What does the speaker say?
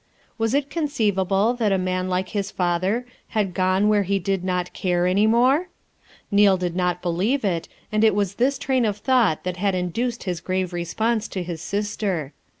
Was it conceivable that a man like his father had gone where he did not care, any more? Neal did not believe it, and it was this 'train of thought that had induced his grave response to his sister.